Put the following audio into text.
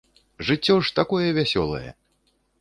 Жыццё ж такое вясёлае!